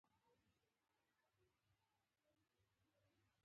د بدن ښکلا یا باډي بلډینګ ډېر عام دی.